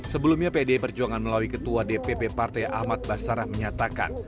sebelumnya pdi perjuangan melalui ketua dpp partai ahmad basarah menyatakan